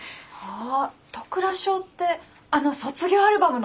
あ戸倉小ってあの卒業アルバムの。